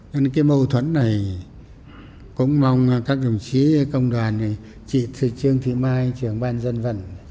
cái mâu thuẫn này cũng mong các đồng chí công đoàn chị thư trương thị mai trưởng ban dân vận